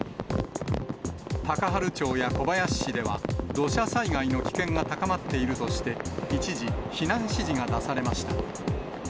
高原町や小林市では、土砂災害の危険が高まっているとして、一時、避難指示が出されました。